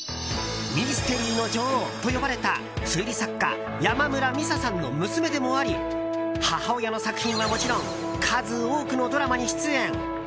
ミステリーの女王と呼ばれた推理作家・山村美紗さんの娘でもあり母親の作品はもちろん数多くのドラマに出演。